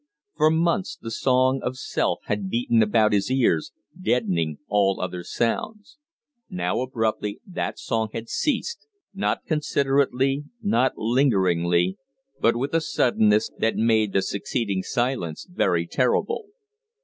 For months the song of self had beaten about his ears, deadening all other sounds; now abruptly that song had ceased not considerately, not lingeringly, but with a suddenness that made the succeeding silence very terrible.